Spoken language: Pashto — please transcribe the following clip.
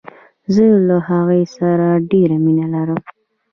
زه له هغې سره ډیره مینه لرم.